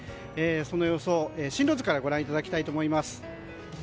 その予想、進路図からご覧いただきたいと思います。